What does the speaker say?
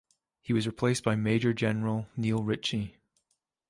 He was replaced by Major-General Neil Ritchie.